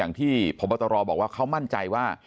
อย่างที่พบตรบอกว่าเขามั่นใจว่า